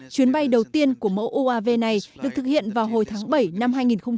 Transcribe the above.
chuyến bay đầu tiên của mẫu uav này được thực hiện vào hồi tháng bảy năm hai nghìn hai mươi